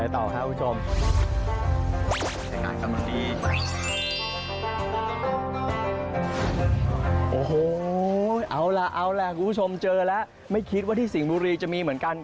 ยังเลยครับอย่างอย่างอย่าง